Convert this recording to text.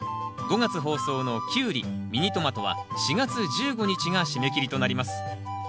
５月放送のキュウリミニトマトは４月１５日が締め切りとなります。